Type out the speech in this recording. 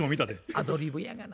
アドリブやがな。